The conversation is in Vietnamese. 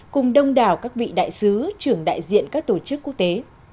cùng đông đảo các vị đại sứ trưởng đại diện các tổ chức quốc tế